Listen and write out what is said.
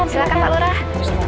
silakan pak lurah